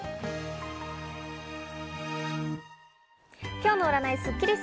今日の占いスッキリす。